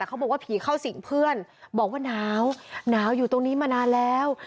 เขาบอกว่าผีเข้าสิงเพื่อนบอกว่าหนาวหนาวอยู่ตรงนี้มานานแล้ว